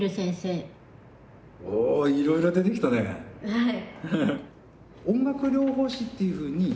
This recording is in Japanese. はい。